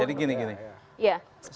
jadi gini gini